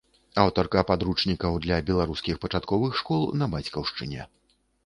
Аўтарка падручнікаў для беларускіх пачатковых школ на бацькаўшчыне.